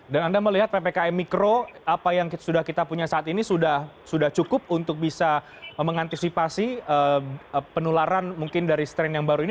dan anda melihat ppki mikro apa yang sudah kita punya saat ini sudah cukup untuk bisa mengantisipasi penularan mungkin dari strain yang baru ini